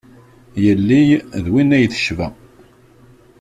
Yelli d win ay tecba.